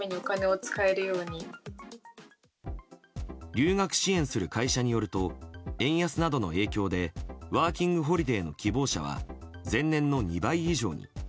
留学支援する会社によると円安などの影響でワーキングホリデーの希望者は前年の２倍以上に。